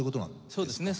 そうですね。